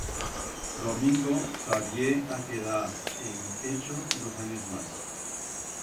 Domingo s'habié a quedar en Echo dos anyos mas.